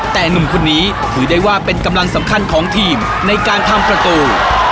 แต่หนุ่มคนนี้ถือได้ว่าเป็นกำลังสำคัญของทีมในการทำประตู